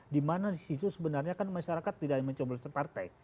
dimana di situ sebenarnya kan masyarakat tidak mencoblosi partai